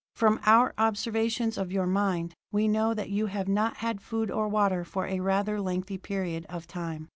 "From our observations of your mind, we know that you have not had food or water for a rather lengthy period of time.